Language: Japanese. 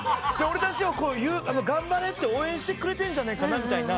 俺たちを頑張れって応援してくれてんじゃないか。